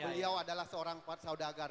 beliau adalah seorang saudagar